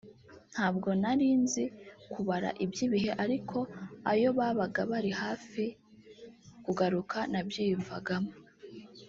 ntabwo nari nzi kubara iby’ibihe ariko ayo babaga bari hafi kugaruka nabyiyumvagamo